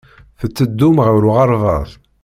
Tetteddum ɣer uɣerbaz.